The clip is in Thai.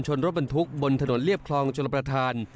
ชนรถบรรทุกบนถนนเลียบคลองจนรบประทาน